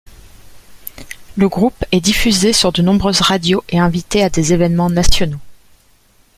Le groupe est diffusé sur de nombreuses radios et invités à des événements nationaux.